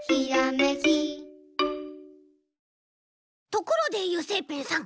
ところで油性ペンさん。